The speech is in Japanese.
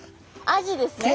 アジですね。